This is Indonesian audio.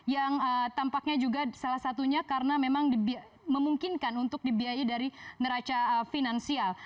yang tampaknya juga salah satunya karena memang memungkinkan untuk dibiayai dari neraca finansial